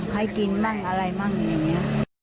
ให้กินมั่งอะไรมั่งอย่างนี้